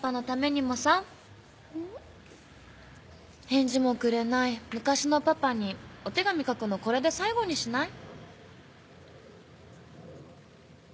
返事もくれない昔のパパにお手紙書くのこれで最後にしない？